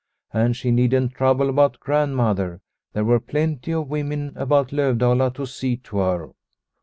And she needn't trouble about Grandmother, there were plenty of women about Lovdala to see to her.